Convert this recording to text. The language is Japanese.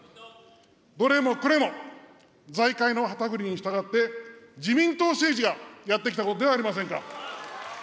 どれもこれも、財界の旗振りに従って、自民党政治がやってきたことではありませんか。